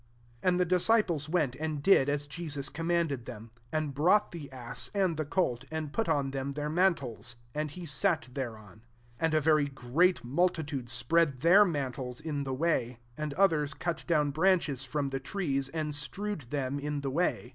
6 And the disciples went, and did as Jesus commanded them ; 7 and brought the ass, and the colt^ and put on them their mantles, and he sat there on. 8 And a very great mul titude spread their mantles in the way ; and others cut down branches from the trees, and strewed them in the way.